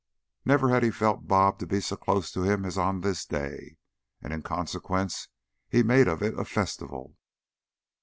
Never had he felt "Bob" to be so close to him as on this day, and in consequence he made of it a festival.